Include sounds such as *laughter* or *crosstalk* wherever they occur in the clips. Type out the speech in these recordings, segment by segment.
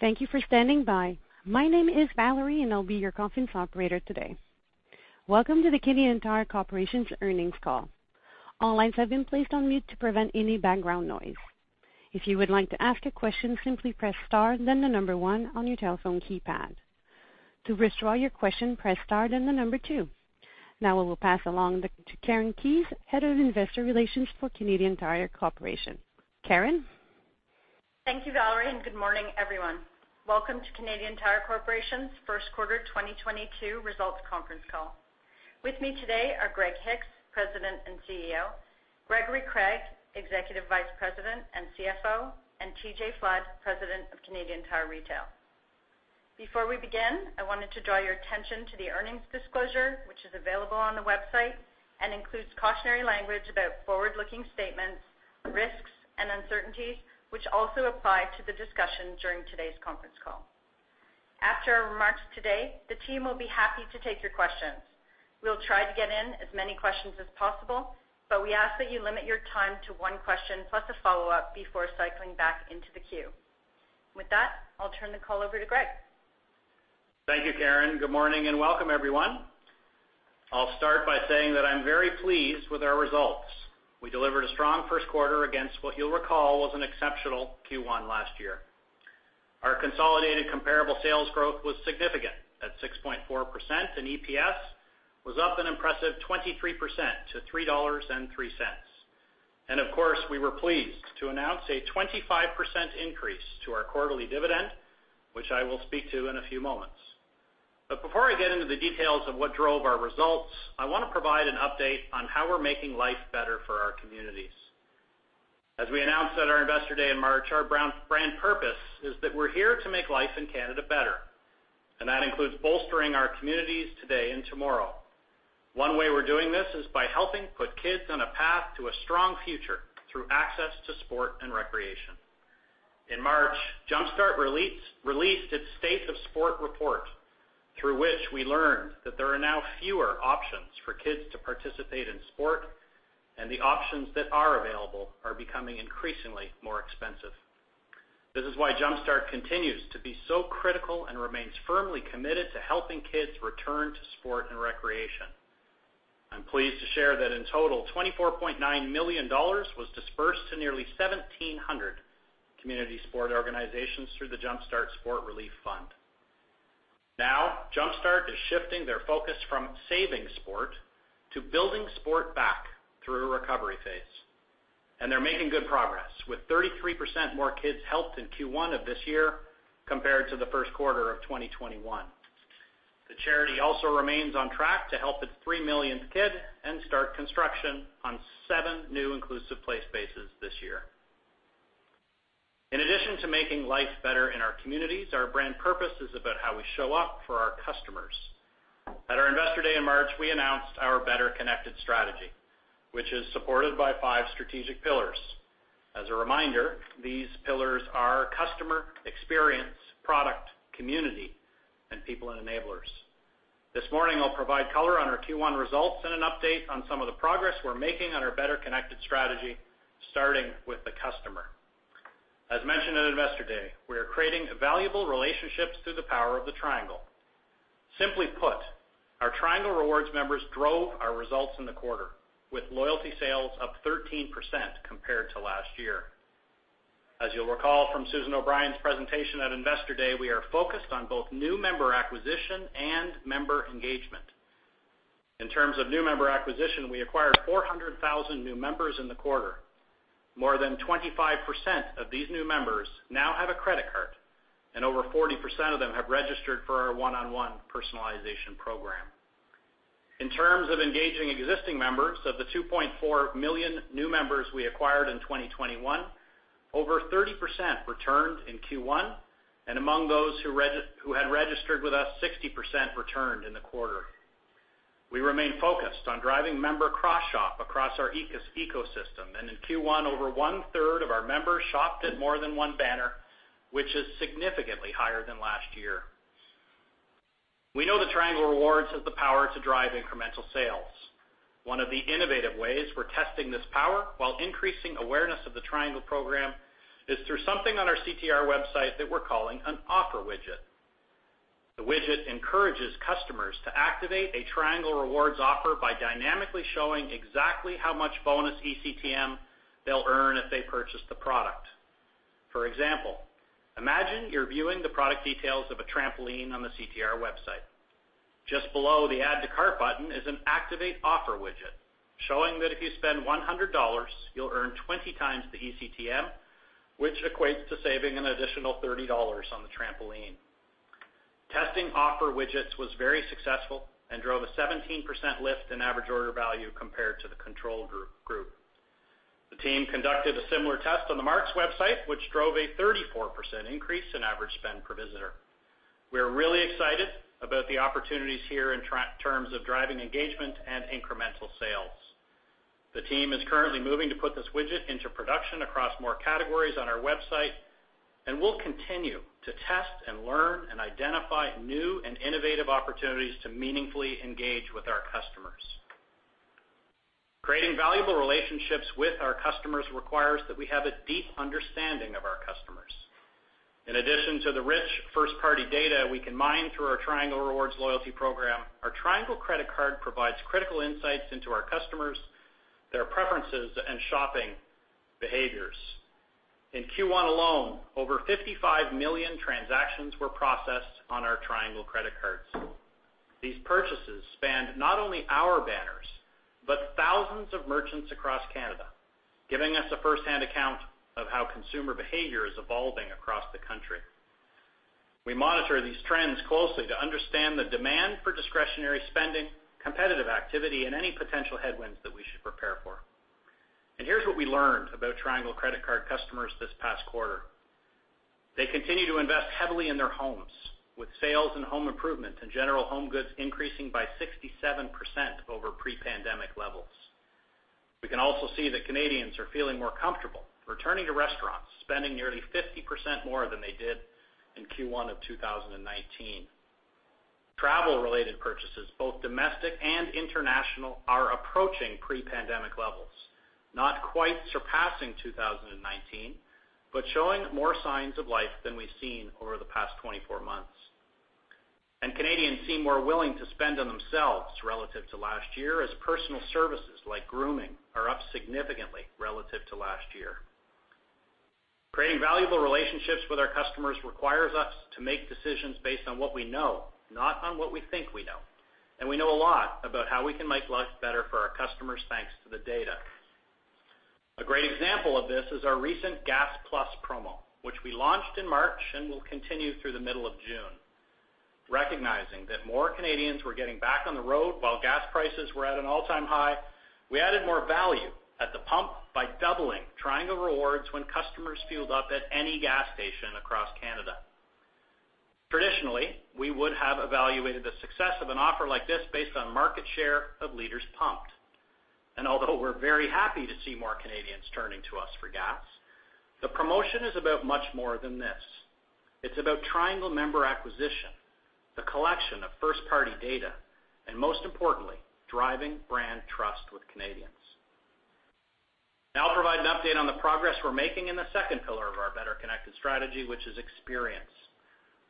Thank you for standing by. My name is Valerie, and I'll be your conference operator today. Welcome to the Canadian Tire Corporation's Earnings Call. All lines have been placed on mute to prevent any background noise. If you would like to ask a question, simply press star then the number one on your telephone keypad. To withdraw your question, press star then the number two. Now we will pass it along to Karen Keyes, Head of Investor Relations for Canadian Tire Corporation. Karen. Thank you, Valerie, and good morning, everyone. Welcome to Canadian Tire Corporation's first quarter 2022 results conference call. With me today are Greg Hicks, President and CEO, Gregory Craig, Executive Vice President and CFO, and TJ Flood, President of Canadian Tire Retail. Before we begin, I wanted to draw your attention to the earnings disclosure, which is available on the website and includes cautionary language about forward-looking statements, risks, and uncertainties, which also apply to the discussion during today's conference call. After our remarks today, the team will be happy to take your questions. We'll try to get in as many questions as possible, but we ask that you limit your time to one question plus a follow-up before cycling back into the queue. With that, I'll turn the call over to Greg. Thank you, Karen. Good morning and welcome, everyone. I'll start by saying that I'm very pleased with our results. We delivered a strong first quarter against what you'll recall was an exceptional Q1 last year. Our consolidated comparable sales growth was significant at 6.4%, and EPS was up an impressive 23% to 3.03 dollars. Of course, we were pleased to announce a 25% increase to our quarterly dividend, which I will speak to in a few moments. Before I get into the details of what drove our results, I wanna provide an update on how we're making life better for our communities. As we announced at our Investor Day in March, our brand purpose is that we're here to make life in Canada better, and that includes bolstering our communities today and tomorrow. One way we're doing this is by helping put kids on a path to a strong future through access to sport and recreation. In March, Jumpstart released its State of Sport report, through which we learned that there are now fewer options for kids to participate in sport, and the options that are available are becoming increasingly more expensive. This is why Jumpstart continues to be so critical and remains firmly committed to helping kids return to sport and recreation. I'm pleased to share that in total, 24.9 million dollars was dispersed to nearly 1,700 community sport organizations through the Jumpstart Sport Relief Fund. Now, Jumpstart is shifting their focus from saving sport to building sport back through a recovery phase, and they're making good progress, with 33% more kids helped in Q1 of this year compared to the first quarter of 2021. The charity also remains on track to help its 3 million kids and start construction on seven new inclusive play spaces this year. In addition to making life better in our communities, our brand purpose is about how we show up for our customers. At our Investor Day in March, we announced our Better Connected strategy, which is supported by five strategic pillars. As a reminder, these pillars are customer experience, product, community, and people and enablers. This morning, I'll provide color on our Q1 results and an update on some of the progress we're making on our Better Connected strategy, starting with the customer. As mentioned at Investor Day, we are creating valuable relationships through the power of The Triangle. Simply put, our Triangle Rewards members drove our results in the quarter, with loyalty sales up 13% compared to last year. As you'll recall from Susan O'Brien's presentation at Investor Day, we are focused on both new member acquisition and member engagement. In terms of new member acquisition, we acquired 400,000 new members in the quarter. More than 25% of these new members now have a credit card, and over 40% of them have registered for our one-on-one personalization program. In terms of engaging existing members, of the 2.4 million new members we acquired in 2021, over 30% returned in Q1, and among those who had registered with us, 60% returned in the quarter. We remain focused on driving member cross-shop across our ecosystem, and in Q1, over one-third of our members shopped at more than one banner, which is significantly higher than last year. We know that Triangle Rewards has the power to drive incremental sales. One of the innovative ways we're testing this power while increasing awareness of The Triangle program is through something on our CTR website that we're calling an offer widget. The widget encourages customers to activate a Triangle Rewards offer by dynamically showing exactly how much bonus ECTM they'll earn if they purchase the product. For example, imagine you're viewing the product details of a trampoline on the CTR website. Just below the Add to Cart button is an Activate Offer widget, showing that if you spend 100 dollars, you'll earn 20 times the ECTM, which equates to saving an additional 30 dollars on the trampoline. Testing offer widgets was very successful and drove a 17% lift in average order value compared to the control group. The team conducted a similar test on the Mark's website, which drove a 34% increase in average spend per visitor. We're really excited about the opportunities here in terms of driving engagement and incremental sales. The team is currently moving to put this widget into production across more categories on our website, and we'll continue to test and learn and identify new and innovative opportunities to meaningfully engage with our customers. Creating valuable relationships with our customers requires that we have a deep understanding of our customers. In addition to the rich first-party data we can mine through our Triangle Rewards loyalty program, our Triangle credit card provides critical insights into our customers, their preferences, and shopping behaviors. In Q1 alone, over 55 million transactions were processed on our Triangle credit cards. These purchases spanned not only our banners, but thousands of merchants across Canada, giving us a first-hand account of how consumer behavior is evolving across the country. We monitor these trends closely to understand the demand for discretionary spending, competitive activity, and any potential headwinds that we should prepare for. Here's what we learned about Triangle Credit Card customers this past quarter. They continue to invest heavily in their homes, with sales and home improvement and general home goods increasing by 67% over pre-pandemic levels. We can also see that Canadians are feeling more comfortable returning to restaurants, spending nearly 50% more than they did in Q1 of 2019. Travel related purchases, both domestic and international, are approaching pre-pandemic levels, not quite surpassing 2019, but showing more signs of life than we've seen over the past 24 months. Canadians seem more willing to spend on themselves relative to last year, as personal services like grooming are up significantly relative to last year. Creating valuable relationships with our customers requires us to make decisions based on what we know, not on what we think we know. We know a lot about how we can make lives better for our customers, thanks to the data. A great example of this is our recent Gas+ promo, which we launched in March and will continue through the middle of June. Recognizing that more Canadians were getting back on the road while gas prices were at an all-time high, we added more value at the pump by doubling Triangle Rewards when customers fueled up at any gas station across Canada. Traditionally, we would have evaluated the success of an offer like this based on market share of liters pumped. Although we're very happy to see more Canadians turning to us for gas, the promotion is about much more than this. It's about Triangle member acquisition, the collection of first party data, and most importantly, driving brand trust with Canadians. Now I'll provide an update on the progress we're making in the second pillar of our Better Connected strategy, which is experience.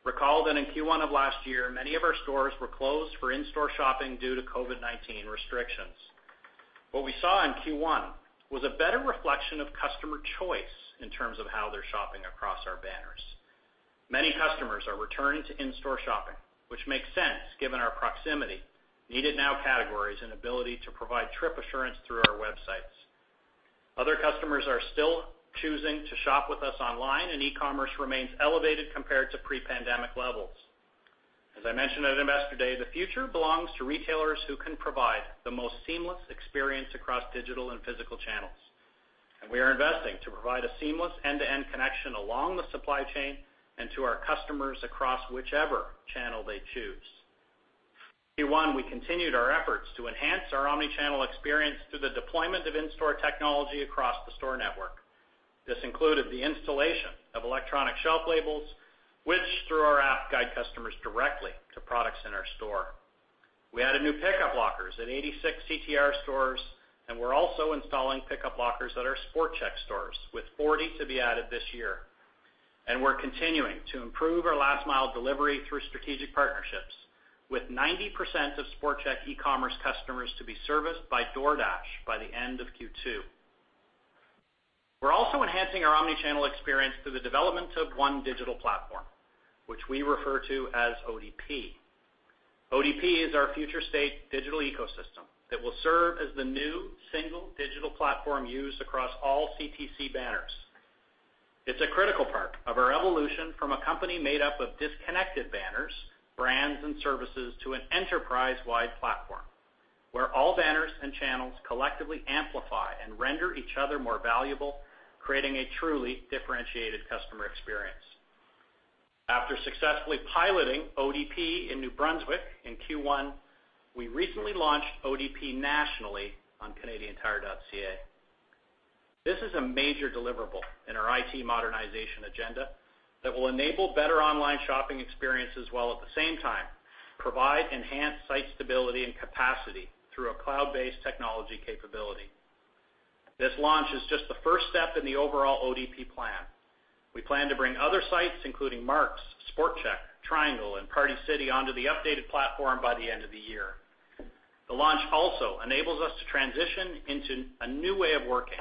Recall that in Q1 of last year, many of our stores were closed for in-store shopping due to COVID-19 restrictions. What we saw in Q1 was a better reflection of customer choice in terms of how they're shopping across our banners. Many customers are returning to in-store shopping, which makes sense given our proximity, need it now categories, and ability to provide trip assurance through our websites. Other customers are still choosing to shop with us online, and e-commerce remains elevated compared to pre-pandemic levels. As I mentioned at Investor Day, the future belongs to retailers who can provide the most seamless experience across digital and physical channels. We are investing to provide a seamless end-to-end connection along the supply chain and to our customers across whichever channel they choose. In Q1, we continued our efforts to enhance our omni-channel experience through the deployment of in-store technology across the store network. This included the installation of electronic shelf labels, which through our app, guide customers directly to products in our store. We added new pickup lockers at 86 CTR stores, and we're also installing pickup lockers at our Sport Chek stores, with 40 to be added this year. We're continuing to improve our last mile delivery through strategic partnerships with 90% of Sport Chek e-commerce customers to be serviced by DoorDash by the end of Q2. We're also enhancing our omni-channel experience through the development of One Digital Platform, which we refer to as ODP. ODP is our future state digital ecosystem that will serve as the new single digital platform used across all CTC banners. It's a critical part of our evolution from a company made up of disconnected banners, brands, and services to an enterprise-wide platform where all banners and channels collectively amplify and render each other more valuable, creating a truly differentiated customer experience. After successfully piloting ODP in New Brunswick in Q1, we recently launched ODP nationally on canadiantire.ca. This is a major deliverable in our IT modernization agenda that will enable better online shopping experiences while at the same time provide enhanced site stability and capacity through a cloud-based technology capability. This launch is just the first step in the overall ODP plan. We plan to bring other sites, including Mark's, Sport Chek, Triangle, and Party City onto the updated platform by the end of the year. The launch also enables us to transition into a new way of working,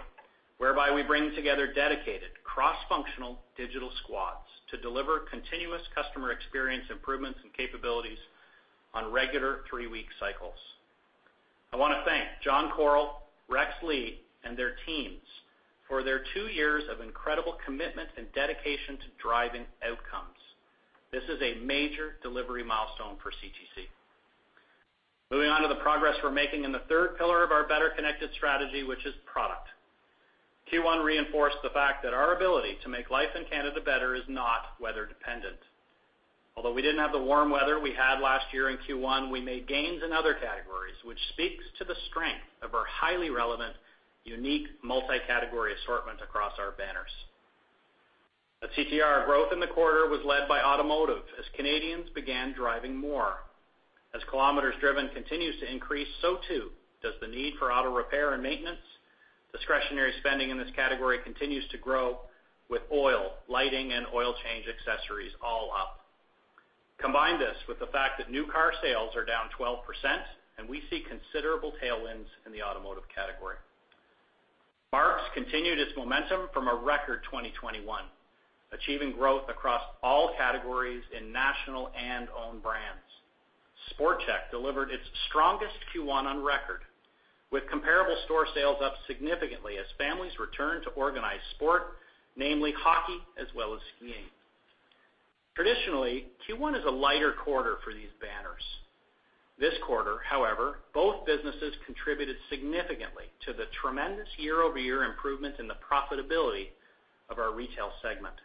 whereby we bring together dedicated cross-functional digital squads to deliver continuous customer experience improvements and capabilities on regular three-week cycles. I want to thank John Koryl, Rex Lee, and their teams for their two years of incredible commitment and dedication to driving outcomes. This is a major delivery milestone for CTC. Moving on to the progress we're making in the third pillar of our Better Connected strategy, which is product. Q1 reinforced the fact that our ability to make life in Canada better is not weather dependent. Although we didn't have the warm weather we had last year in Q1, we made gains in other categories, which speaks to the strength of our highly relevant, unique multi-category assortment across our banners. Our CTR growth in the quarter was led by automotive as Canadians began driving more. As kilometers driven continues to increase, so too does the need for auto repair and maintenance. Discretionary spending in this category continues to grow with oil, lighting, and oil change accessories all up. Combine this with the fact that new car sales are down 12%, and we see considerable tailwinds in the automotive category. Mark's continued its momentum from a record 2021, achieving growth across all categories in national and owned brands. Sport Chek delivered its strongest Q1 on record, with comparable store sales up significantly as families return to organized sport, namely hockey, as well as skiing. Traditionally, Q1 is a lighter quarter for these banners. This quarter, however, both businesses contributed significantly to the tremendous year-over-year improvement in the profitability of our retail segment.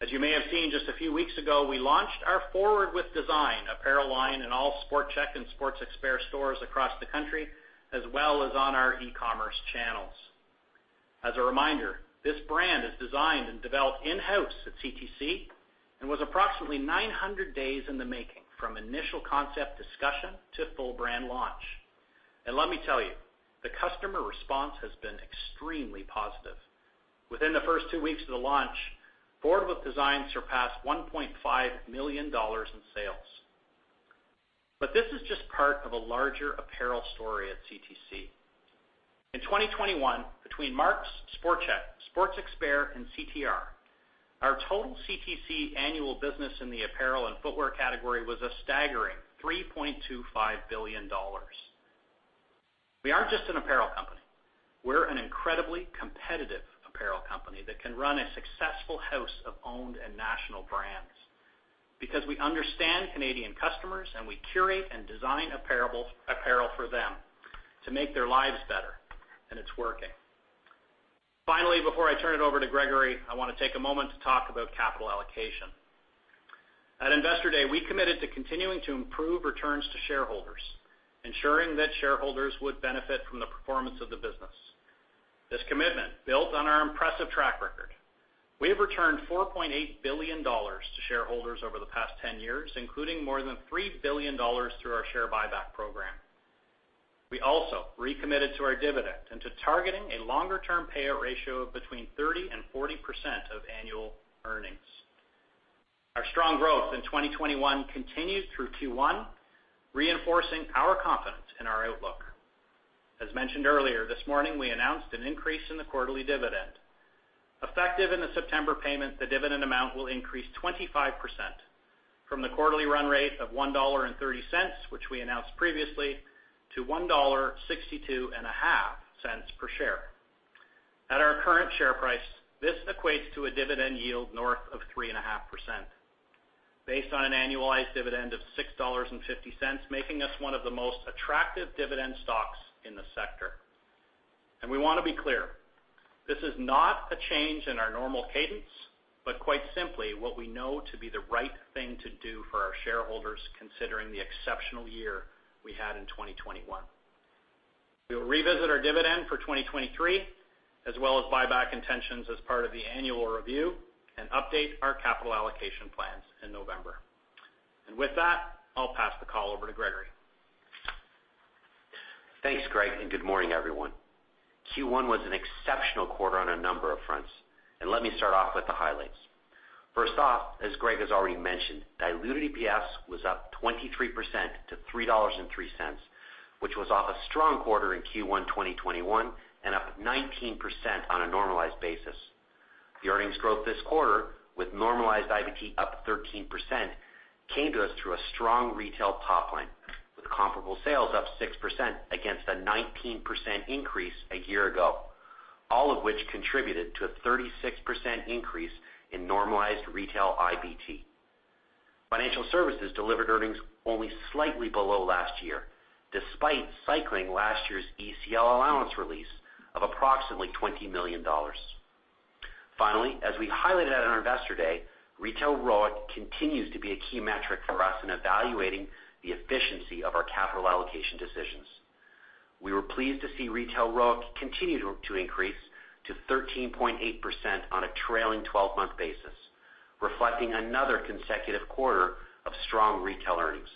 As you may have seen just a few weeks ago, we launched our Forward With Design apparel line in all Sport Chek and Sports Experts stores across the country, as well as on our e-commerce channels. As a reminder, this brand is designed and developed in-house at CTC and was approximately 900 days in the making from initial concept discussion to full brand launch. Let me tell you, the customer response has been extremely positive. Within the first two weeks of the launch, Forward With Design surpassed 1.5 million dollars in sales. This is just part of a larger apparel story at CTC. In 2021, between Mark's, Sport Chek, Sports Experts, and CTR, our total CTC annual business in the apparel and footwear category was a staggering 3.25 billion dollars. We aren't just an apparel company. We're an incredibly competitive apparel company that can run a successful house of owned and national brands because we understand Canadian customers, and we curate and design apparel for them to make their lives better, and it's working. Finally, before I turn it over to Gregory, I wanna take a moment to talk about capital allocation. At Investor Day, we committed to continuing to improve returns to shareholders, ensuring that shareholders would benefit from the performance of the business. This commitment built on our impressive track record. We have returned 4.8 billion dollars to shareholders over the past 10 years, including more than 3 billion dollars through our share buyback program. We also recommitted to our dividend and to targeting a longer-term payout ratio of between 30% and 40% of annual earnings. Our strong growth in 2021 continued through Q1, reinforcing our confidence in our outlook. As mentioned earlier this morning, we announced an increase in the quarterly dividend. Effective in the September payment, the dividend amount will increase 25% from the quarterly run rate of 1.30 dollar, which we announced previously, to 1.625 dollar per share. At our current share price, this equates to a dividend yield north of 3.5%. Based on an annualized dividend of 6.50 dollars, making us one of the most attractive dividend stocks in the sector. We wanna be clear, this is not a change in our normal cadence, but quite simply what we know to be the right thing to do for our shareholders, considering the exceptional year we had in 2021. We will revisit our dividend for 2023, as well as buyback intentions as part of the annual review and update our capital allocation plans in November. With that, I'll pass the call over to Gregory. Thanks, Greg, and good morning, everyone. Q1 was an exceptional quarter on a number of fronts. Let me start off with the highlights. First off, as Greg has already mentioned, diluted EPS was up 23% to 3.03 dollars, which was off a strong quarter in Q1 2021 and up 19% on a normalized basis. The earnings growth this quarter with normalized IBT up 13% came to us through a strong retail top line, with comparable sales up 6% against a 19% increase a year ago, all of which contributed to a 36% increase in normalized retail IBT. Financial services delivered earnings only slightly below last year, despite cycling last year's ECL allowance release of approximately 20 million dollars. Finally, as we highlighted at our Investor Day, retail ROIC continues to be a key metric for us in evaluating the efficiency of our capital allocation decisions. We were pleased to see retail ROIC continue to increase to 13.8% on a trailing 12-month basis, reflecting another consecutive quarter of strong retail earnings.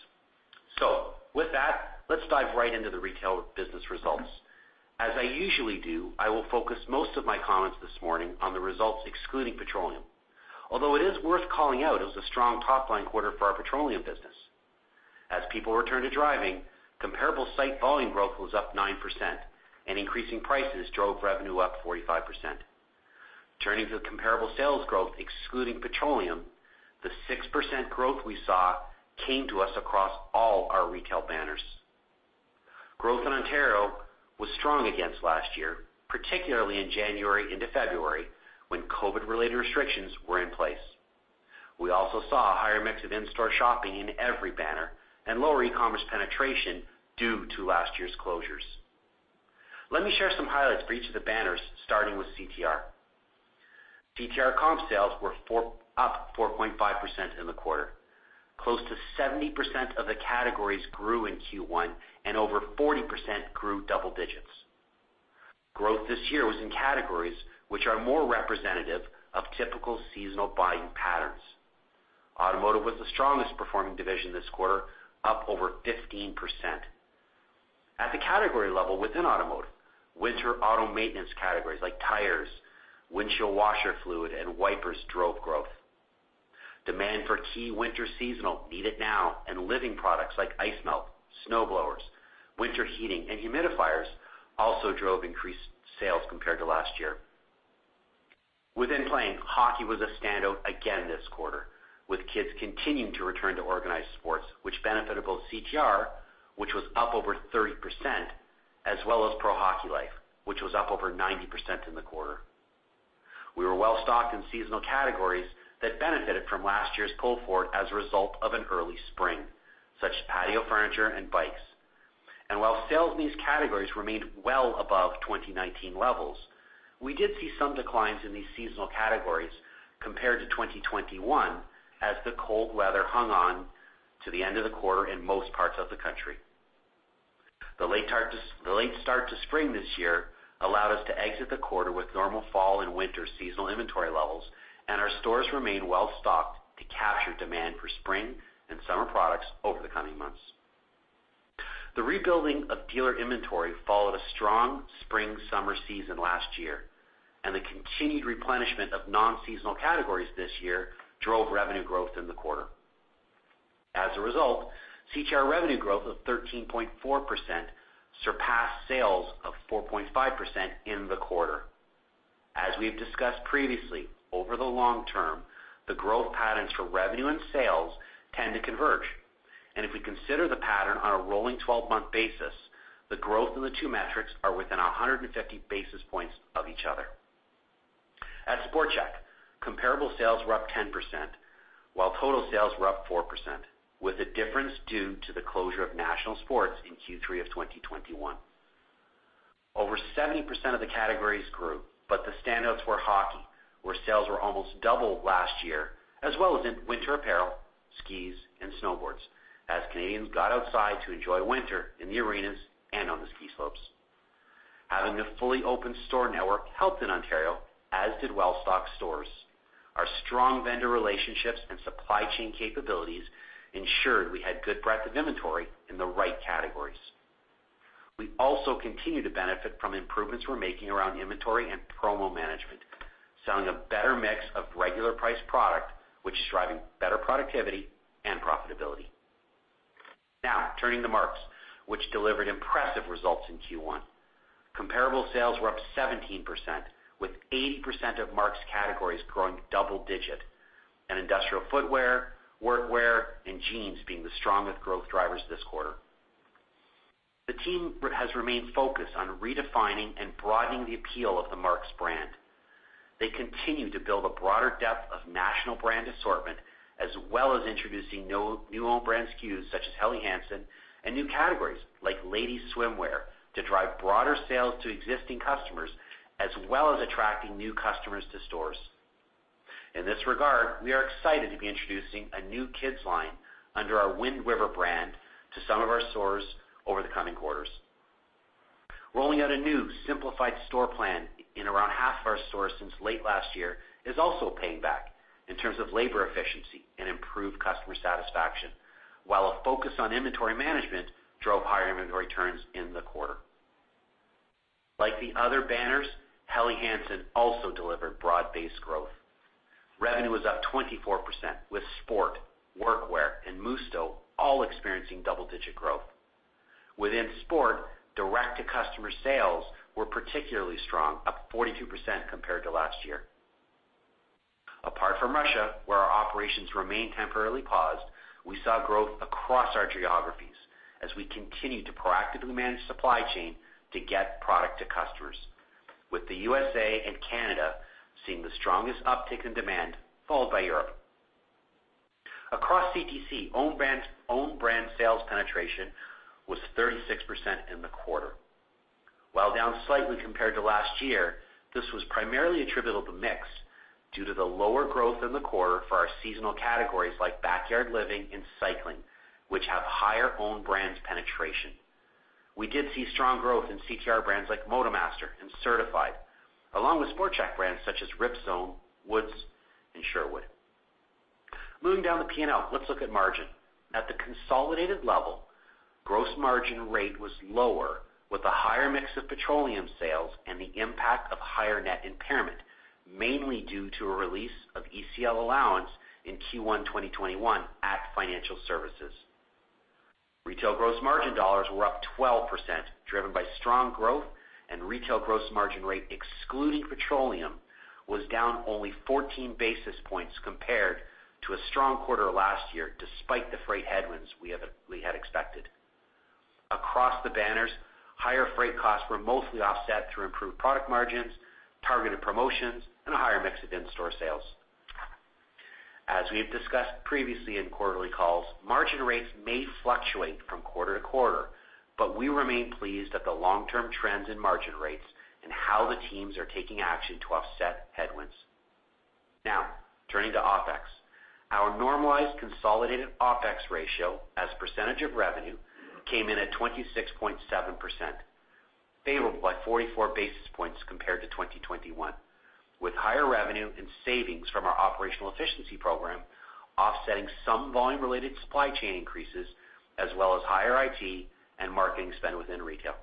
With that, let's dive right into the retail business results. As I usually do, I will focus most of my comments this morning on the results excluding petroleum, although it is worth calling out that it was a strong top-line quarter for our petroleum business. As people return to driving, comparable site volume growth was up 9% and increasing prices drove revenue up 45%. Turning to the comparable sales growth excluding petroleum, the 6% growth we saw came to us across all our retail banners. Growth in Ontario was strong against last year, particularly in January into February, when COVID-related restrictions were in place. We also saw a higher mix of in-store shopping in every banner and lower e-commerce penetration due to last year's closures. Let me share some highlights for each of the banners, starting with CTR. CTR comp sales were up 4.5% in the quarter. Close to 70% of the categories grew in Q1, and over 40% grew double digits. Growth this year was in categories which are more representative of typical seasonal buying patterns. Automotive was the strongest performing division this quarter, up over 15%. At the category level within automotive, winter auto maintenance categories like tires, windshield washer fluid, and wipers drove growth. Demand for key winter seasonal need it now and living products like ice melt, snow blowers, winter heating and humidifiers also drove increased sales compared to last year. Within playing, hockey was a standout again this quarter, with kids continuing to return to organized sports, which benefited both CTR, which was up over 30%, as well as Pro Hockey Life, which was up over 90% in the quarter. We were well stocked in seasonal categories that benefited from last year's pull forward as a result of an early spring, such as patio furniture and bikes. While sales in these categories remained well above 2019 levels, we did see some declines in these seasonal categories compared to 2021 as the cold weather hung on to the end of the quarter in most parts of the country. The late start to spring this year allowed us to exit the quarter with normal fall and winter seasonal inventory levels, and our stores remain well stocked to capture demand for spring and summer products over the coming months. The rebuilding of dealer inventory followed a strong spring, summer season last year, and the continued replenishment of non-seasonal categories this year drove revenue growth in the quarter. As a result, CTR revenue growth of 13.4% surpassed sales of 4.5% in the quarter. As we've discussed previously, over the long term, the growth patterns for revenue and sales tend to converge. If we consider the pattern on a rolling twelve-month basis, the growth in the two metrics are within 150 basis points of each other. At Sport Chek, comparable sales were up 10%, while total sales were up 4%, with the difference due to the closure of National Sports in Q3 of 2021. Over 70% of the categories grew, but the standouts were hockey, where sales were almost double last year, as well as in winter apparel, skis and snowboards, as Canadians got outside to enjoy winter in the arenas and on the ski slopes. Having a fully open store network helped in Ontario, as did well-stocked stores. Our strong vendor relationships and supply chain capabilities ensured we had good breadth of inventory in the right categories. We also continue to benefit from improvements we're making around inventory and promo management, selling a better mix of regular price product, which is driving better productivity and profitability. Now, turning to Mark's, which delivered impressive results in Q1. Comparable sales were up 17%, with 80% of Mark's categories growing double digit, and industrial footwear, work wear, and jeans being the strongest growth drivers this quarter. The team has remained focused on redefining and broadening the appeal of the Mark's brand. They continue to build a broader depth of national brand assortment, as well as introducing new own brand SKUs such as Helly Hansen and new categories like ladies' swimwear to drive broader sales to existing customers, as well as attracting new customers to stores. In this regard, we are excited to be introducing a new kids line under our WindRiver brand to some of our stores over the coming quarters. Rolling out a new simplified store plan in around half of our stores since late last year is also paying back in terms of labor efficiency and improved customer satisfaction. While a focus on inventory management drove higher inventory turns in the quarter. Like the other banners, Helly Hansen also delivered broad-based growth. Revenue was up 24% with sportswear, workwear, and Musto all experiencing double-digit growth. Within sportswear, direct-to-customer sales were particularly strong, up 42% compared to last year. Apart from Russia, where our operations remain temporarily paused, we saw growth across our geographies as we continue to proactively manage supply chain to get product to customers, with the U.S.A. and Canada seeing the strongest uptick in demand, followed by Europe. Across CTC, own brands sales penetration was 36% in the quarter. While down slightly compared to last year, this was primarily attributable to mix due to the lower growth in the quarter for our seasonal categories like backyard living and cycling, which have higher own brands penetration. We did see strong growth in CTR brands like MotoMaster and Certified, along with Sport Chek brands such as Rip Zone, Woods, and Sherwood. Moving down the P&L, let's look at margin. At the consolidated level, gross margin rate was lower with a higher mix of petroleum sales and the impact of higher net impairment, mainly due to a release of ECL allowance in Q1 2021 at Financial Services. Retail gross margin dollars were up 12%, driven by strong growth and retail gross margin rate excluding petroleum was down only 14 basis points compared to a strong quarter last year, despite the freight headwinds we had expected. Across the banners, higher freight costs were mostly offset through improved product margins, targeted promotions, and a higher mix of in-store sales. As we've discussed previously in quarterly calls, margin rates may fluctuate from quarter to quarter, but we remain pleased at the long-term trends in margin rates and how the teams are taking action to offset headwinds. Now turning to OpEx. Our normalized consolidated OpEx ratio as a percentage of revenue came in at 26.7%, favorable by 44 basis points compared to 2021, with higher revenue and savings from our operational efficiency program offsetting some volume-related supply chain increases as well as higher IT and marketing spend within retail.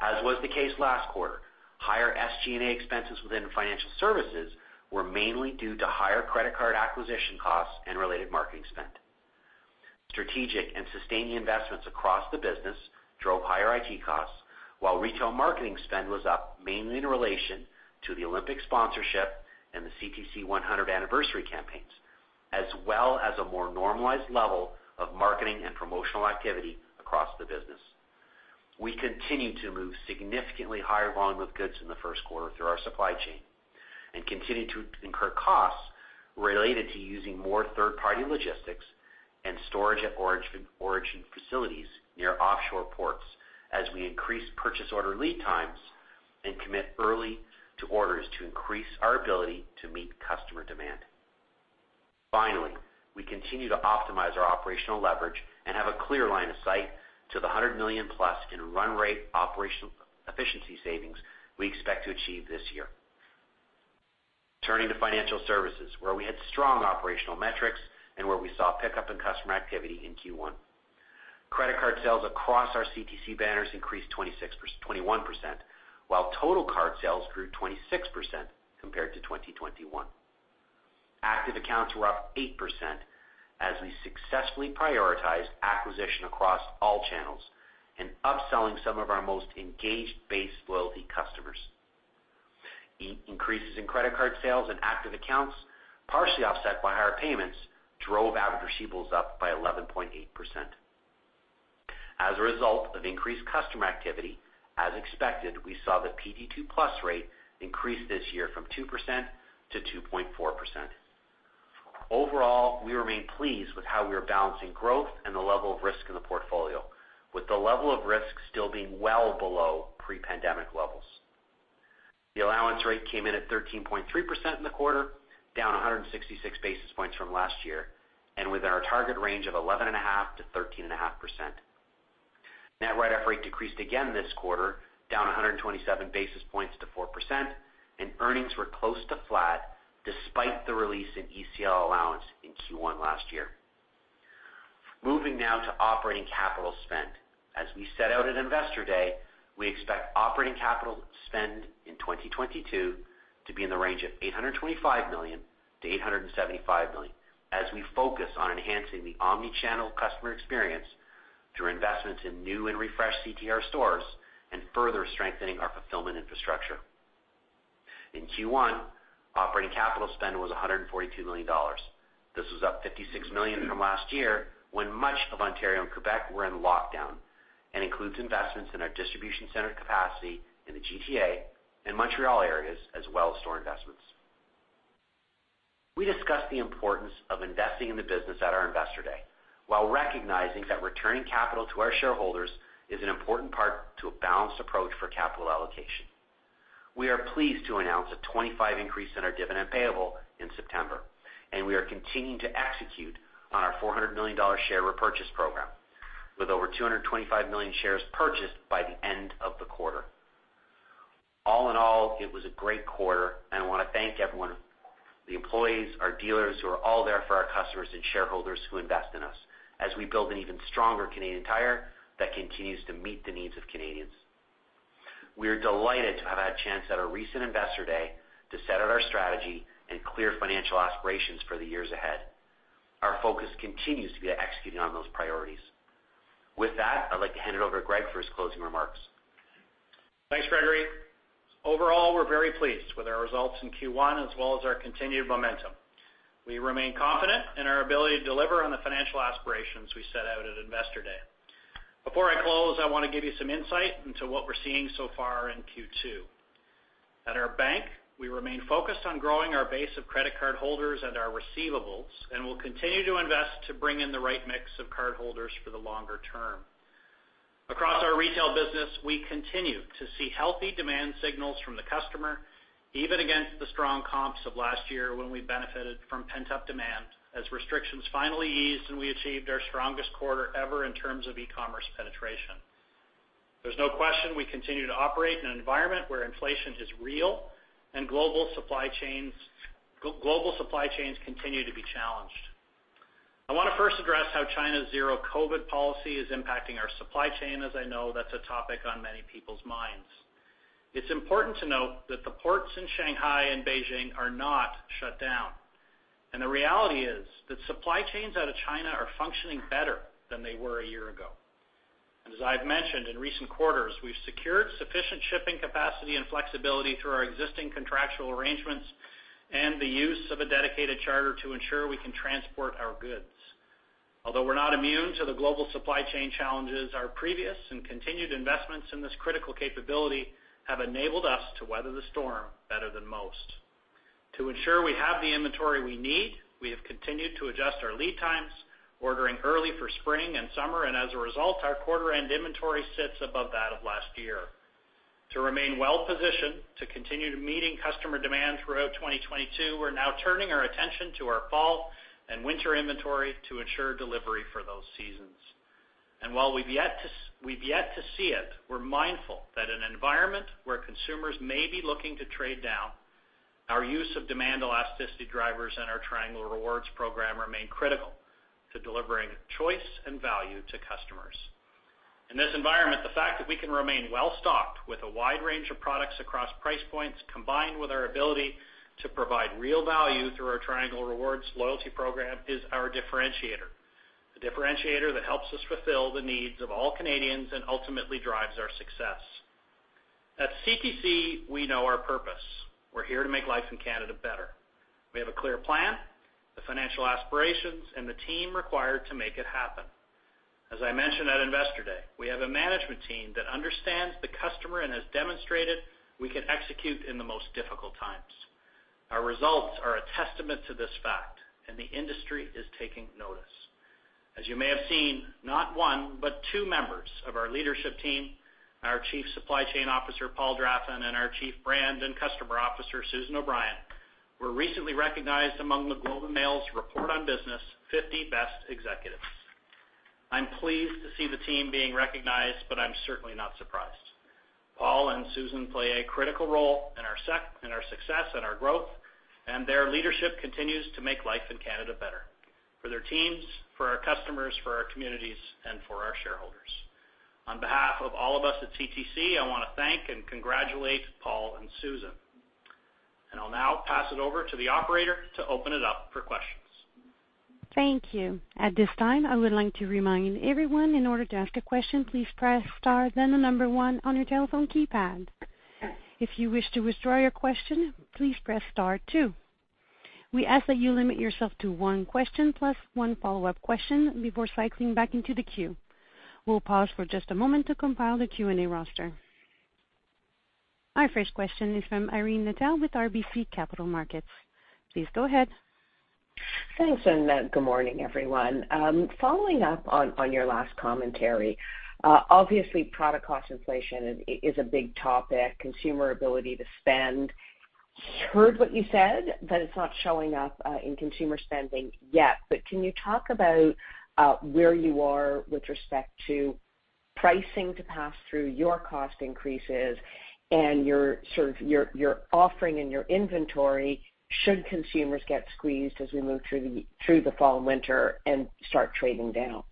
As was the case last quarter, higher SG&A expenses within financial services were mainly due to higher credit card acquisition costs and related marketing spend. Strategic and sustaining investments across the business drove higher IT costs, while retail marketing spend was up mainly in relation to the Olympic sponsorship and the CTC 100 anniversary campaigns, as well as a more normalized level of marketing and promotional activity across the business. We continue to move significantly higher volume of goods in the first quarter through our supply chain and continue to incur costs related to using more third-party logistics and storage at origin facilities near offshore ports as we increase purchase order lead times and commit early to orders to increase our ability to meet customer demand. We continue to optimize our operational leverage and have a clear line of sight to the 100 million+ in run rate operational efficiency savings we expect to achieve this year. Turning to financial services, where we had strong operational metrics and where we saw a pickup in customer activity in Q1. Credit card sales across our CTC banners increased 21%, while total card sales grew 26% compared to 2021. Active accounts were up 8% as we successfully prioritized acquisition across all channels and upselling some of our most engaged base loyalty customers. Increases in credit card sales and active accounts, partially offset by higher payments, drove average receivables up by 11.8%. As a result of increased customer activity, as expected, we saw the PD2+ rate increase this year from 2%-2.4%. Overall, we remain pleased with how we are balancing growth and the level of risk in the portfolio, with the level of risk still being well below pre-pandemic levels. The allowance rate came in at 13.3% in the quarter, down 166 basis points from last year, and within our target range of 11.5%-13.5%. Net write-off rate decreased again this quarter, down 127 basis points to 4%, and earnings were close to flat despite the release in ECL allowance in Q1 last year. Moving now to operating capital spend. As we set out at Investor Day, we expect operating capital spend in 2022 to be in the range of 825 million-875 million as we focus on enhancing the omnichannel customer experience through investments in new and refreshed CTR stores and further strengthening our fulfillment infrastructure. In Q1, operating capital spend was 142 million dollars. This was up 56 million from last year when much of Ontario and Quebec were in lockdown and includes investments in our distribution center capacity in the GTA and Montreal areas as well as store investments. We discussed the importance of investing in the business at our Investor Day while recognizing that returning capital to our shareholders is an important part to a balanced approach for capital allocation. We are pleased to announce a 25% increase in our dividend payable in September, and we are continuing to execute on our 400 million dollar share repurchase program with over 225 million dollars purchased by the end of the quarter. All in all, it was a great quarter and I want to thank everyone, the employees, our dealers who are all there for our customers and shareholders who invest in us as we build an even stronger Canadian Tire that continues to meet the needs of Canadians. We are delighted to have had a chance at our recent Investor Day to set out our strategy and clear financial aspirations for the years ahead. Our focus continues to be on executing on those priorities. With that, I'd like to hand it over to Greg for his closing remarks. Thanks, Gregory. Overall, we're very pleased with our results in Q1 as well as our continued momentum. We remain confident in our ability to deliver on the financial aspirations we set out at Investor Day. Before I close, I want to give you some insight into what we're seeing so far in Q2. At our bank, we remain focused on growing our base of credit card holders and our receivables, and will continue to invest to bring in the right mix of cardholders for the longer term. Across our retail business, we continue to see healthy demand signals from the customer, even against the strong comps of last year when we benefited from pent-up demand as restrictions finally eased and we achieved our strongest quarter ever in terms of e-commerce penetration. There's no question we continue to operate in an environment where inflation is real and global supply chains continue to be challenged. I want to first address how China's zero COVID policy is impacting our supply chain, as I know that's a topic on many people's minds. It's important to note that the ports in Shanghai and Beijing are not shut down, and the reality is that supply chains out of China are functioning better than they were a year ago. As I've mentioned in recent quarters, we've secured sufficient shipping capacity and flexibility through our existing contractual arrangements and the use of a dedicated charter to ensure we can transport our goods. Although we're not immune to the global supply chain challenges, our previous and continued investments in this critical capability have enabled us to weather the storm better than most. To ensure we have the inventory we need, we have continued to adjust our lead times. Ordering early for spring and summer, and as a result, our quarter end inventory sits above that of last year. To remain well-positioned to continue meeting customer demand throughout 2022, we're now turning our attention to our fall and winter inventory to ensure delivery for those seasons. While we've yet to see it, we're mindful that an environment where consumers may be looking to trade down, our use of demand elasticity drivers and our Triangle Rewards program remain critical to delivering choice and value to customers. In this environment, the fact that we can remain well stocked with a wide range of products across price points, combined with our ability to provide real value through our Triangle Rewards loyalty program is our differentiator. A differentiator that helps us fulfill the needs of all Canadians and ultimately drives our success. At CTC, we know our purpose. We're here to make life in Canada better. We have a clear plan, the financial aspirations, and the team required to make it happen. As I mentioned at Investor Day, we have a management team that understands the customer and has demonstrated we can execute in the most difficult times. Our results are a testament to this fact, and the industry is taking notice. As you may have seen, not one, but two members of our leadership team, our Chief Supply Chain Officer, Paul Draffin, and our Chief Brand and Customer Officer, Susan O'Brien, were recently recognized among The Globe and Mail's Report on Business 50 Best Executives. I'm pleased to see the team being recognized, but I'm certainly not surprised. Paul and Susan play a critical role in our success and our growth, and their leadership continues to make life in Canada better for their teams, for our customers, for our communities, and for our shareholders. On behalf of all of us at CTC, I wanna thank and congratulate Paul and Susan. I'll now pass it over to the operator to open it up for questions. Thank you. At this time, I would like to remind everyone, in order to ask a question, please press star, then the number one on your telephone keypad. If you wish to withdraw your question, please press star two. We ask that you limit yourself to one question plus one follow-up question before cycling back into the queue. We'll pause for just a moment to compile the Q&A roster. Our first question is from Irene Nattel with RBC Capital Markets. Please go ahead. Thanks, good morning, everyone. Following up on your last commentary, obviously product cost inflation is a big topic, consumer ability to spend. Heard what you said, that it's not showing up in consumer spending yet. Can you talk about where you are with respect to pricing to pass through your cost increases and your sort of offering in your inventory should consumers get squeezed as we move through the fall and winter and start trading down?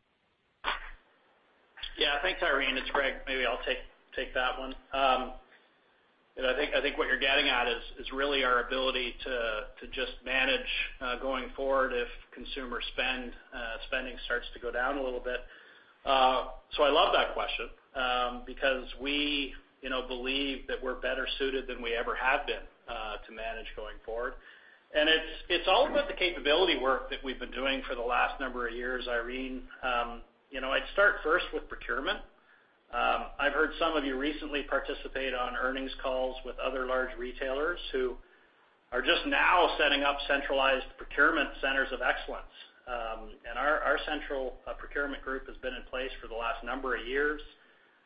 Yeah. Thanks, Irene. It's Greg. Maybe I'll take that one. I think what you're getting at is really our ability to just manage going forward if consumer spending starts to go down a little bit. I love that question because we, you know, believe that we're better suited than we ever have been to manage going forward. It's all about the capability work that we've been doing for the last number of years, Irene. You know, I'd start first with procurement. I've heard some of you recently participate on earnings calls with other large retailers who are just now setting up centralized procurement centers of excellence. Our central procurement group has been in place for the last number of years.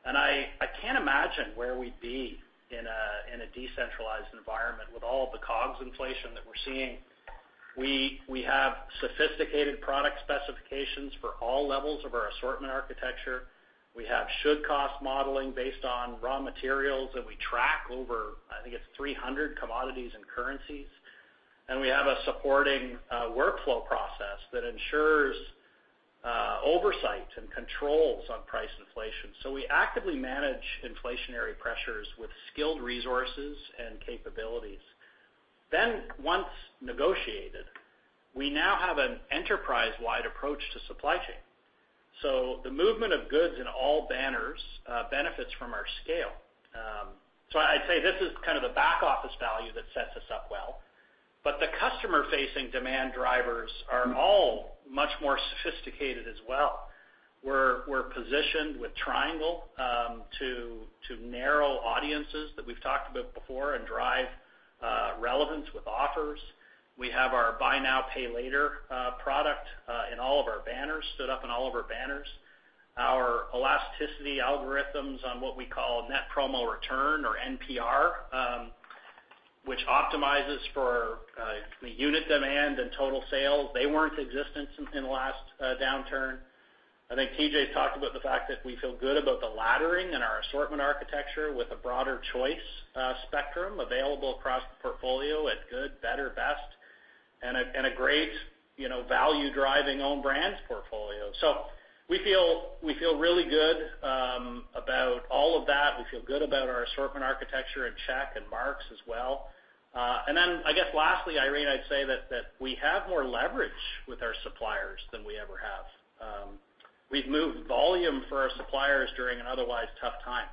I can't imagine where we'd be in a decentralized environment with all of the COGS inflation that we're seeing. We have sophisticated product specifications for all levels of our assortment architecture. We have should-cost modeling based on raw materials that we track over, I think it's 300 commodities and currencies. We have a supporting workflow process that ensures oversight and controls on price inflation. We actively manage inflationary pressures with skilled resources and capabilities. Once negotiated, we now have an enterprise-wide approach to supply chain, so the movement of goods in all banners benefits from our scale. I'd say this is kind of the back office value that sets us up well. The customer-facing demand drivers are all much more sophisticated as well. We're positioned with Triangle to narrow audiences that we've talked about before and drive relevance with offers. We have our Buy Now, Pay Later product in all of our banners, stood up in all of our banners. Our elasticity algorithms on what we call Net Promo Return or NPR, which optimizes for the unit demand and total sales, they weren't in existence in the last downturn. I think TJ talked about the fact that we feel good about the laddering in our assortment architecture with a broader choice spectrum available across the portfolio at good, better, best, and a great, you know, value-driving own brands portfolio. We feel really good about all of that. We feel good about our assortment architecture at Sport Chek and Mark's as well. I guess lastly, Irene, I'd say that we have more leverage with our suppliers than we ever have. We've moved volume for our suppliers during an otherwise tough time,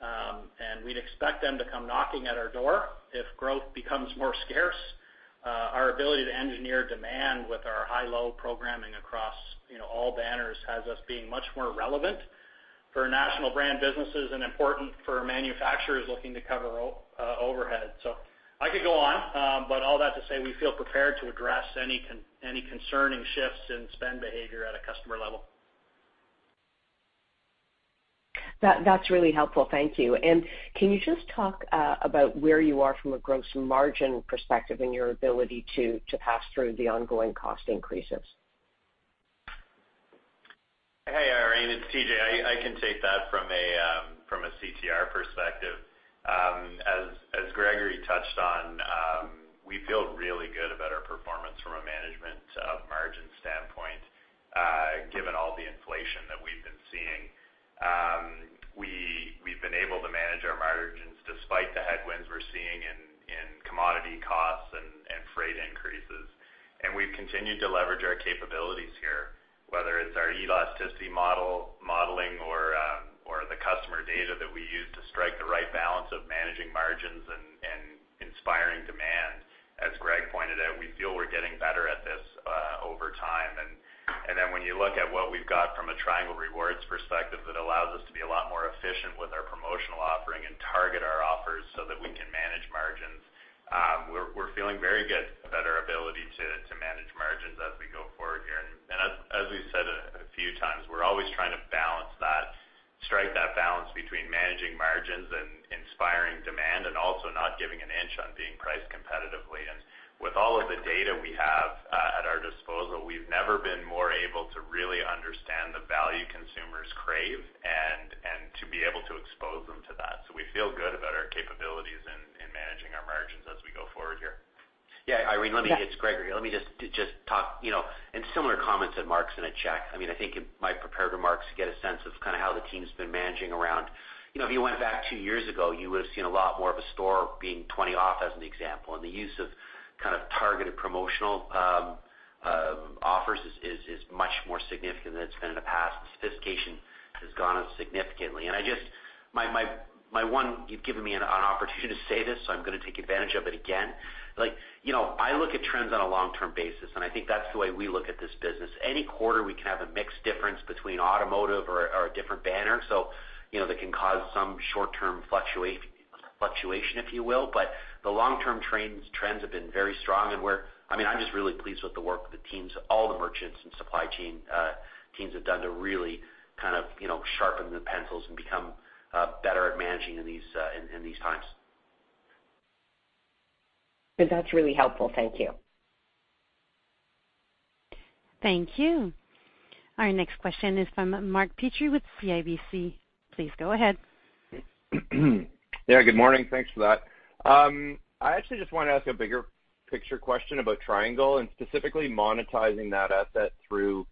and we'd expect them to come knocking at our door if growth becomes more scarce. Our ability to engineer demand with our high-low programming across, you know, all banners has us being much more relevant for national brand businesses and important for manufacturers looking to cover overhead. I could go on, but all that to say, we feel prepared to address any concerning shifts in spend behavior at a customer level. That's really helpful. Thank you. Can you just talk about where you are from a gross margin perspective in your ability to pass through the ongoing cost increases? Hey, Irene, it's TJ. I can take that from a CTR perspective. As Gregory touched on, we feel really good about our performance from a merchandise margin standpoint, given all the inflation that we've been seeing. We've been able to manage our margins despite the headwinds we're seeing in commodity costs and freight increases. We've continued to leverage our capabilities here, whether it's our elasticity modeling or the customer data that we use to strike the right balance of managing margins and inspiring demand. As Greg pointed out, we feel we're getting better at this over time. Then when you look at what we've got from a Triangle Rewards perspective, it allows us to be a lot more efficient with our promotional offering and target our offers so that we can manage margins. We're feeling very good about our ability to manage margins as we go forward here. As we said a few times, we're always trying to strike that balance between managing margins and inspiring demand, and also not giving an inch on being priced competitively. With all of the data we have at our disposal, we've never been more able to really understand the value consumers crave and to be able to expose them to that. We feel good about our capabilities in managing our margins as we go forward here. Yeah, Irene, let me. Yeah. It's Gregory. Let me just talk, you know, and similar comments that Mark's gonna check. I mean, I think in my prepared remarks, you get a sense of kind of how the team's been managing around. You know, if you went back two years ago, you would've seen a lot more of a store being 20% off, as an example. The use of kind of targeted promotional offers is much more significant than it's been in the past. Sophistication has gone up significantly. I just my one you've given me an opportunity to say this, so I'm gonna take advantage of it again. Like, you know, I look at trends on a long-term basis, and I think that's the way we look at this business. Any quarter, we can have a mixed difference between automotive or a different banner, so, you know, that can cause some short-term fluctuation, if you will. The long-term trends have been very strong, and I mean, I'm just really pleased with the work the teams, all the merchants and supply chain teams have done to really kind of, you know, sharpen the pencils and become better at managing in these times. That's really helpful. Thank you. Thank you. Our next question is from Mark Petrie with CIBC. Please go ahead. Yeah, good morning. Thanks for that. I actually just wanna ask a bigger picture question about Triangle and specifically monetizing that asset through,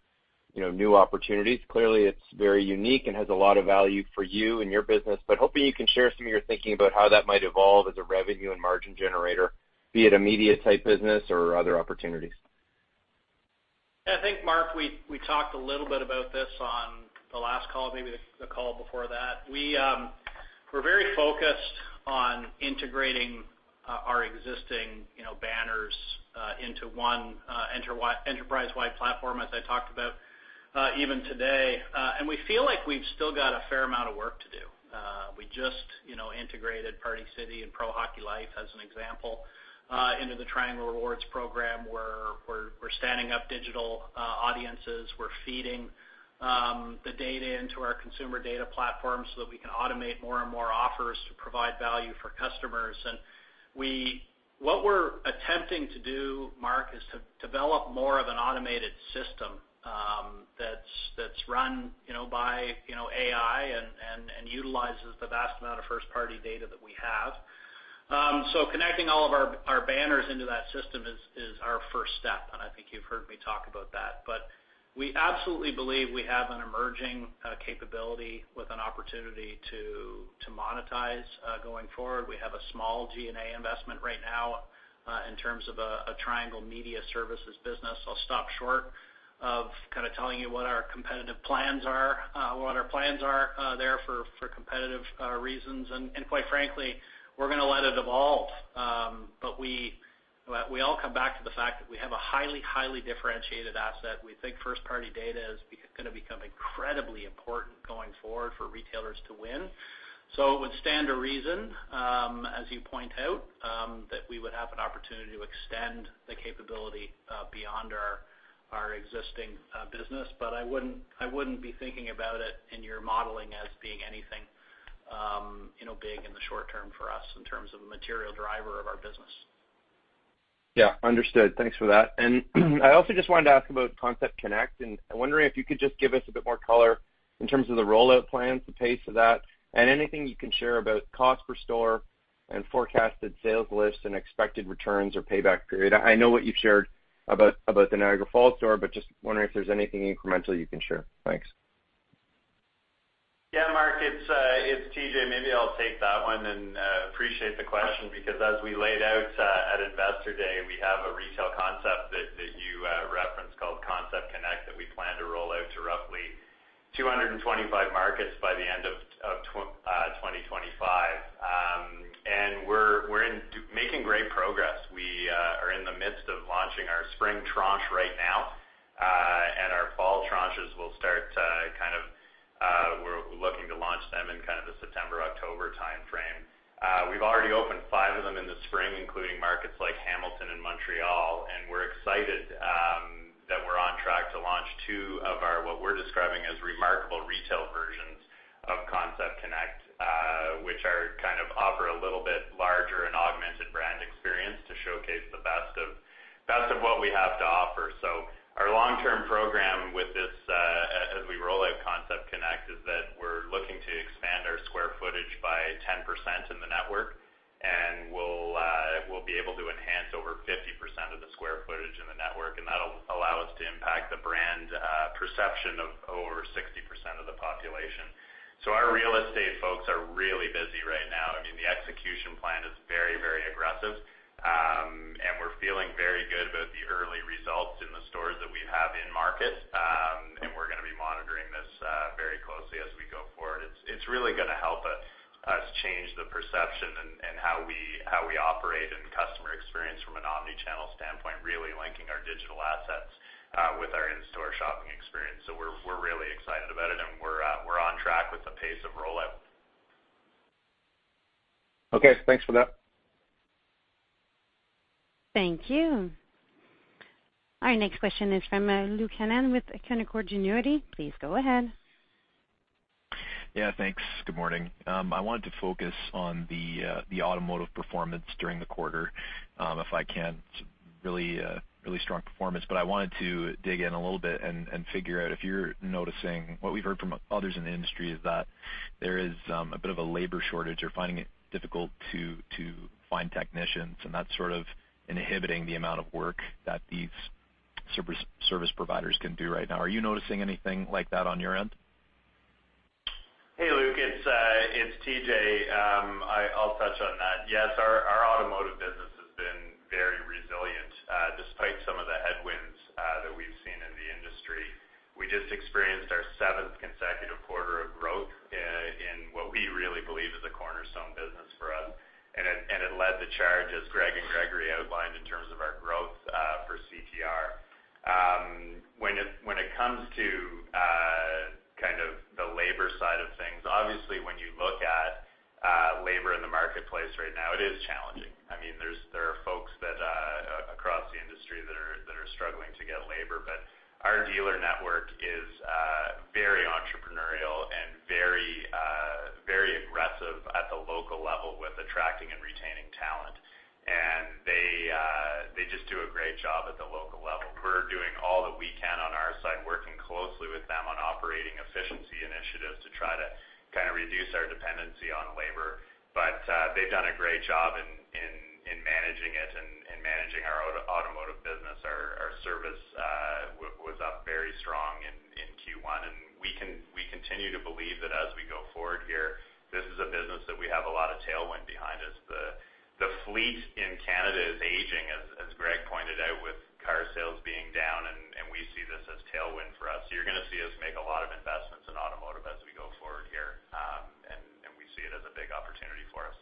you know, new opportunities. Clearly, it's very unique and has a lot of value for you and your business, but hoping you can share some of your thinking about how that might evolve as a revenue and margin generator, be it a media type business or other opportunities. I think, Mark, we talked a little bit about this on the last call, maybe the call before that. We're very focused on integrating our existing, you know, banners into one enterprise-wide platform, as I talked about even today. We feel like we've still got a fair amount of work to do. We just, you know, integrated Party City and Pro Hockey Life as an example into the Triangle Rewards program, where we're standing up digital audiences. We're feeding the data into our consumer data platform so that we can automate more and more offers to provide value for customers. What we're attempting to do, Mark, is to develop more of an automated system that's run, you know, by AI and utilizes the vast amount of first-party data that we have. So connecting all of our banners into that system is our first step, and I think you've heard me talk about that. But we absolutely believe we have an emerging capability with an opportunity to monetize going forward. We have a small G&A investment right now in terms of a Triangle Retail Media business. I'll stop short of kind of telling you what our competitive plans are there for competitive reasons. Quite frankly, we're gonna let it evolve. We all come back to the fact that we have a highly differentiated asset. We think first-party data is gonna become incredibly important going forward for retailers to win. It would stand to reason, as you point out, that we would have an opportunity to extend the capability beyond our existing business. I wouldn't be thinking about it in your modeling as being anything, you know, big in the short term for us in terms of a material driver of our business. Yeah. Understood. Thanks for that. I also just wanted to ask about Concept Connect, and I'm wondering if you could just give us a bit more color in terms of the rollout plans, the pace of that, and anything you can share about cost per store and forecasted sales lists and expected returns or payback period. I know what you've shared about the Niagara Falls store, but just wondering if there's anything incremental you can share. Thanks. Yeah, Mark, it's TJ. Maybe I'll take that one and appreciate the question because as we laid out at Investor Day, we have a retail concept that you referenced called Concept Connect that we plan to roll out to roughly 225 markets by the end of 2025. We're making great progress. We're in the midst of launching our spring tranche right now. Our fall tranches, we're looking to launch them in kind of the September-October timeframe. We've already opened five of them in the spring, including markets like Hamilton and Montreal, and we're excited that we're on track to launch two of our, what we're describing as remarkable retail versions of Concept Connect, which are kind of offer a little bit larger and augmented brand experience to showcase the best of what we have to offer. Our long-term program with this, as we roll out Concept Connect, is that we're looking to expand service providers can do right now. Are you noticing anything like that on your end? Hey, Luke, it's TJ. I'll touch on that. Yes, our automotive business has been very resilient, despite some of the headwinds that we've seen in the industry. We just experienced our seventh consecutive quarter of growth in what we really believe is a cornerstone business for us, and it led the charge, as Greg and Gregory outlined, in terms of our growth, for CTR. When it comes to, kind of the labor side of things, obviously, when you look at labor in the marketplace right now, it is challenging. I mean, there are folks that across the industry that are struggling to get labor. Our dealer network is very entrepreneurial and very aggressive at the local level with attracting and retaining talent. They just do a great job at the local level. We're doing all that we can on our side, working closely with them on operating efficiency initiatives to try to kind of reduce our dependency on labor. They've done a great job in managing it and managing our automotive business. Our service was up very strong in Q1, and we continue to believe that as we go forward here, this is a business that we have a lot of tailwind behind us. The fleet in Canada is aging, as Greg pointed out, with car sales being down, and we see this as tailwind for us. You're gonna see us make a lot of investments in automotive as we go forward here, and we see it as a big opportunity for us.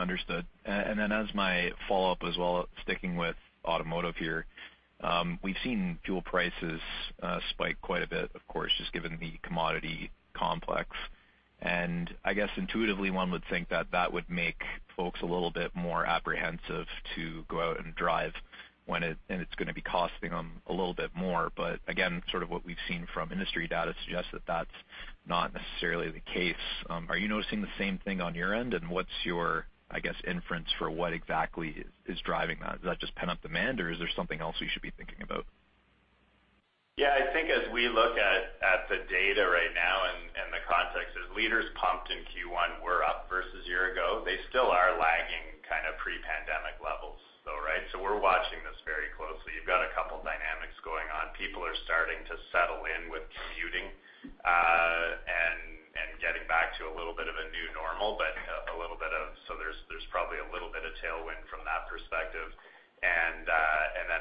Understood. As my follow-up as well, sticking with automotive here, we've seen fuel prices spike quite a bit, of course, just given the commodity complex. I guess intuitively one would think that that would make folks a little bit more apprehensive to go out and drive and it's gonna be costing them a little bit more. Again, sort of what we've seen from industry data suggests that that's not necessarily the case. Are you noticing the same thing on your end? What's your, I guess, inference for what exactly is driving that? Is that just pent-up demand, or is there something else we should be thinking about? Yeah. I think as we look at the data right now and the context is liters pumped in Q1 were up versus year ago. They still are lagging kind of pre-pandemic levels though, right? We're watching this very closely. You've got a couple dynamics going on. People are starting to settle in with commuting and getting back to a little bit of a new normal. There's probably a little bit of tailwind from that perspective.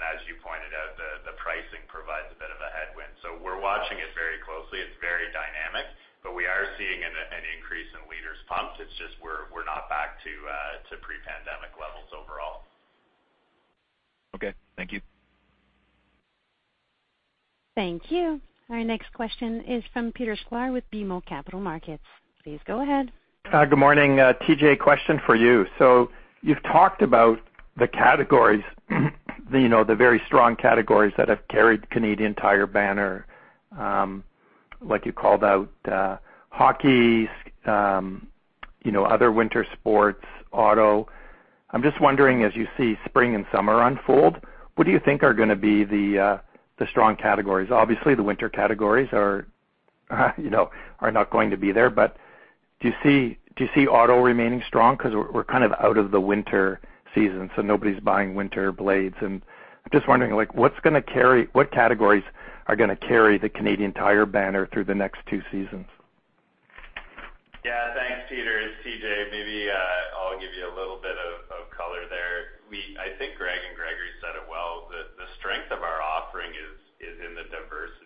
As you pointed out, the pricing provides a bit of a headwind. We're watching it very closely. It's very dynamic, but we are seeing an increase in liters pumped. It's just we're not back to pre-pandemic levels overall. Okay. Thank you. Thank you. Our next question is from Peter Sklar with BMO Capital Markets. Please go ahead. Good morning. TJ, question for you. So you've talked about the categories, you know, the very strong categories that have carried Canadian Tire banner, like you called out, hockey, you know, other winter sports, auto. I'm just wondering, as you see spring and summer unfold, what do you think are gonna be the strong categories? Obviously, the winter categories are, you know, are not going to be there, but do you see auto remaining strong? 'Cause we're kind of out of the winter season, so nobody's buying winter blades. I'm just wondering, like, what categories are gonna carry the Canadian Tire banner through the next two seasons? Yeah. Thanks, Peter. It's TJ. Maybe I'll give you a little bit of color there. I think Greg and Gregory said it well. The strength of our offering is in the diversity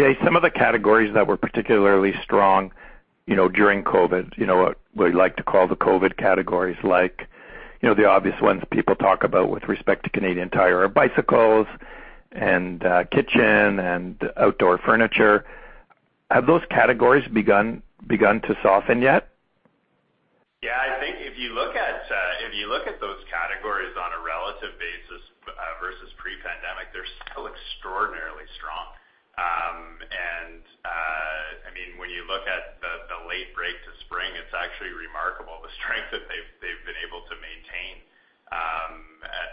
strength in some of our non-seasonal categories, actually. They've had a lot of strength in Q1 and into Q2. I think your point about automotive is a good one. I think we've got some tailwind there. We also feel like we're probably a better inventory position in a few categories as we go in spring, particularly this year. We're watching it all very closely, but those are a few that I've got my eyes on. Okay. TJ, some of the categories that were particularly strong, you know, during COVID, you know, what we like to call the COVID categories, like, you know, the obvious ones people talk about with respect to Canadian Tire are bicycles and kitchen and outdoor furniture. Have those categories begun to soften yet? Yeah. I think if you look at those categories on a relative basis versus pre-pandemic, they're still extraordinarily strong. I mean, when you look at the late break to spring, it's actually remarkable the strength that they've been able to maintain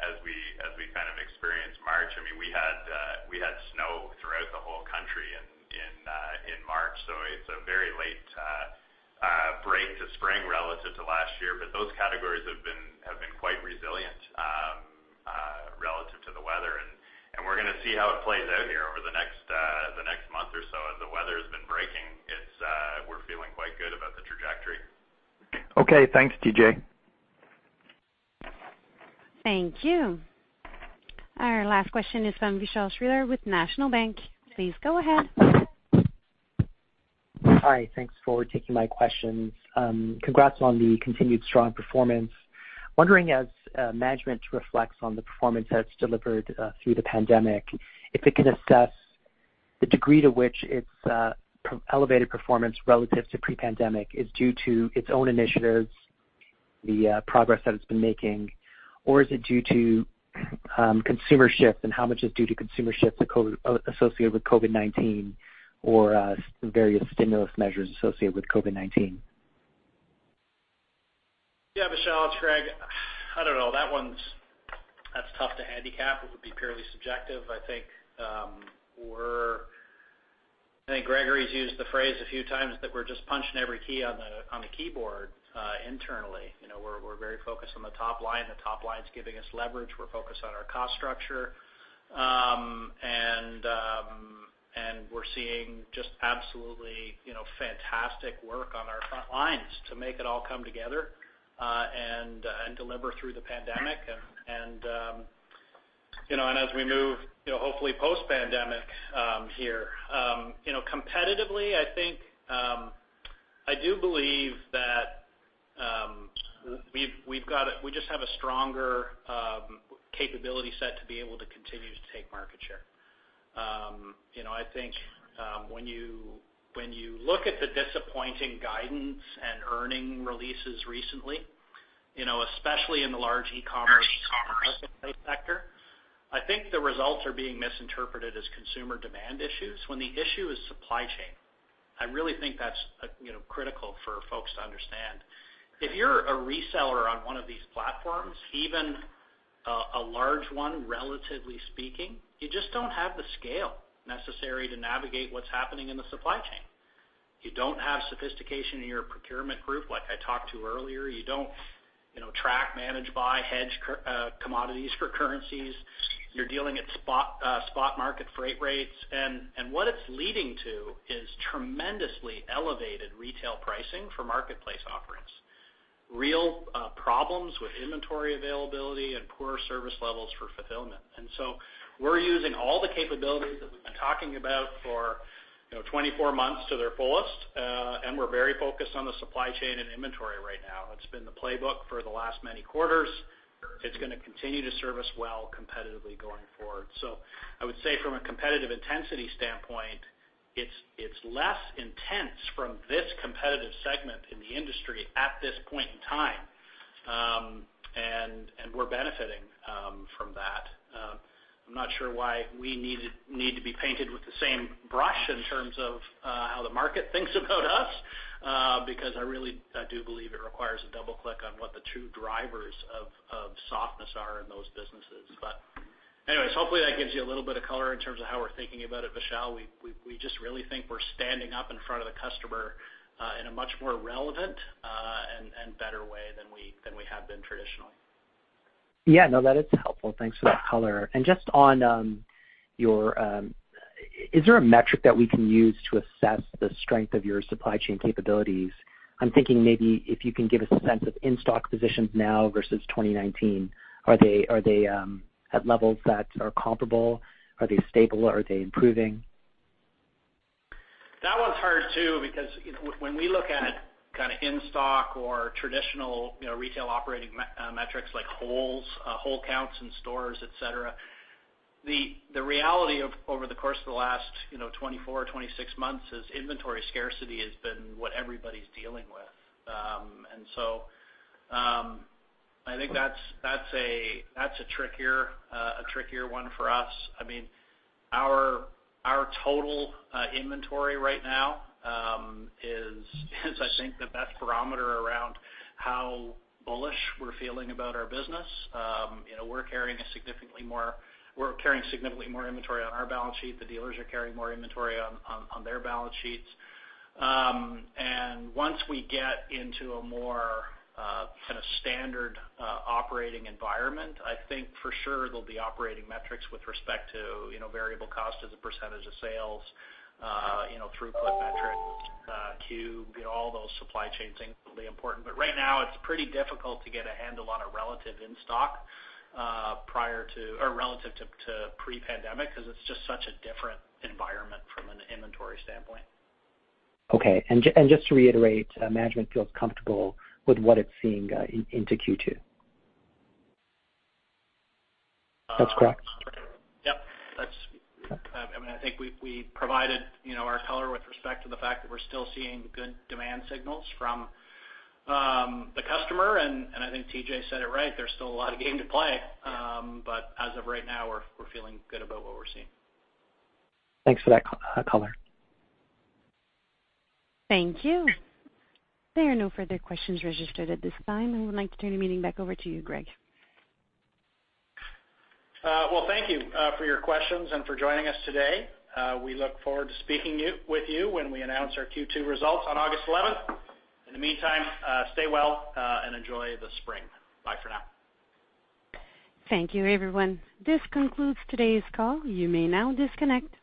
as we kind of experienced March. I mean, we had snow throughout the whole country in March, so it's a very late break to spring relative to last year. Those categories have been quite resilient relative to the weather. We're gonna see how it plays out here over the next month or so as the weather's been breaking. We're feeling quite good about the trajectory. Okay. Thanks, TJ. Thank you. Our last question is from Vishal Shreedhar with National Bank. Please go ahead. Hi. Thanks for taking my questions. Congrats on the continued strong performance. Wondering as management reflects on the performance that it's delivered through the pandemic, if it can assess the degree to which its elevated performance relative to pre-pandemic is due to its own initiatives, the progress that it's been making, or is it due to consumer shift? How much is due to consumer shift associated with COVID-19 or various stimulus measures associated with COVID-19? Yeah, Vishal, it's Greg. I don't know. That one's. That's tough to handicap. It would be purely subjective. I think Gregory's used the phrase a few times that we're just punching every key on the keyboard internally. You know, we're very focused on the top line. The top line's giving us leverage. We're focused on our cost structure. We're seeing just absolutely, you know, fantastic work on our front lines to make it all come together, and deliver through the pandemic. You know, as we move, you know, hopefully post-pandemic, here. You know, competitively, I think I do believe that we've got a we just have a stronger capability set to be able to continue to take market share. You know, I think, when you look at the disappointing guidance and earnings releases recently, you know, especially in the large e-commerce- *crosstalk* E-commerce Marketplace sector, I think the results are being misinterpreted as consumer demand issues when the issue is supply chain. I really think that's, you know, critical for folks to understand. If you're a reseller on one of these platforms, even a large one, relatively speaking, you just don't have the scale necessary to navigate what's happening in the supply chain. You don't have sophistication in your procurement group like I talked to earlier. You don't, you know, track, manage, buy, hedge commodities for currencies. You're dealing at spot market freight rates. And what it's leading to is tremendously elevated retail pricing for marketplace offerings, real problems with inventory availability and poor service levels for fulfillment. We're using all the capabilities that we've been talking about for, you know, 24 months to their fullest, and we're very focused on the supply chain and inventory right now. It's been the playbook for the last many quarters. It's gonna continue to serve us well competitively going forward. I would say from a competitive intensity standpoint, it's less intense from this competitive segment in the industry at this point in time. And we're benefiting from that. I'm not sure why we need to be painted with the same brush in terms of how the market thinks about us, because I really do believe it requires a double click on what the true drivers of softness are in those businesses. Anyways, hopefully that gives you a little bit of color in terms of how we're thinking about it, Vishal. We just really think we're standing up in front of the customer in a much more relevant and better way than we have been traditionally. Yeah. No, that is helpful. Thanks for that color. Just on your, is there a metric that we can use to assess the strength of your supply chain capabilities? I'm thinking maybe if you can give a sense of in-stock positions now versus 2019. Are they at levels that are comparable? Are they stable? Are they improving? That one's hard too, because, you know, when we look at it kind of in stock or traditional, you know, retail operating metrics like holes, hole counts in stores, et cetera, the reality of over the course of the last, you know, 24, 26 months is inventory scarcity has been what everybody's dealing with. I think that's a trickier one for us. I mean, our total inventory right now is I think the best barometer around how bullish we're feeling about our business. You know, we're carrying significantly more inventory on our balance sheet. The dealers are carrying more inventory on their balance sheets. Once we get into a more kind of standard operating environment, I think for sure there'll be operating metrics with respect to, you know, variable cost as a percentage of sales, you know, throughput metrics, queue, you know, all those supply chain things will be important. Right now, it's pretty difficult to get a handle on a relative in-stock, prior to or relative to pre-pandemic 'cause it's just such a different environment from an inventory standpoint. Okay. Just to reiterate, management feels comfortable with what it's seeing into Q2? That's correct? Yep. I mean, I think we provided, you know, our color with respect to the fact that we're still seeing good demand signals from the customer. I think TJ said it right. There's still a lot of game to play. As of right now, we're feeling good about what we're seeing. Thanks for that color. Thank you. There are no further questions registered at this time. I would like to turn the meeting back over to you, Greg. Well, thank you for your questions and for joining us today. We look forward to speaking with you when we announce our Q2 results on August 11th. In the meantime, stay well and enjoy the spring. Bye for now. Thank you, everyone. This concludes today's call. You may now disconnect.